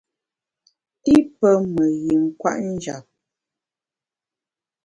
I pe me yin kwet njap.